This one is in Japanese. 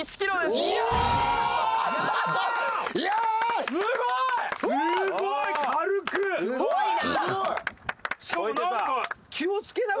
すごいな！